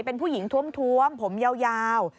เป็นผู้หญิงท้วมผมยาว